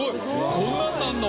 こんなになるの？